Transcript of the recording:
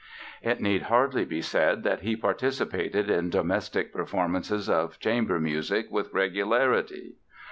It need hardly be said that he participated in domestic performances of chamber music with regularity.